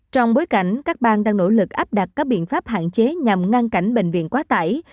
trong bối cảnh các bang đang nỗ lực áp đặt các biện pháp hạn chế nhằm ngăn cản bệnh viện quá tải